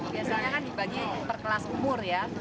biasanya kan dibagi per kelas umur ya